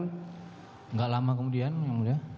tidak lama kemudian yang mulia